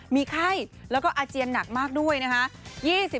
มีไข้แล้วก็อาเจียนหนักมากด้วยนะคะ